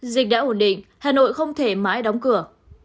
dịch đã ổn định hà nội không thể mãi đóng cửa